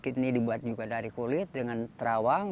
ini dibuat juga dari kulit dengan terawang